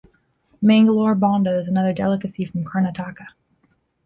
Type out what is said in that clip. Mangalore bonda is another delicacy from Karnataka.